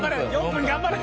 頑張れ！